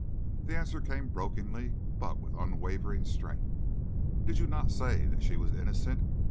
The answer came brokenly, but with unwavering strength: "Did you not say that she was innocent?